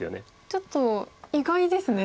ちょっと意外ですね。